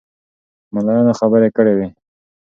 ملایانو خبرې کړې وې.